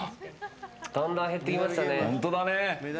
だんだん減ってきましたね。